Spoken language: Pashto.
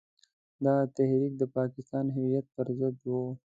دغه تحریک د پاکستان هویت پر ضد وو.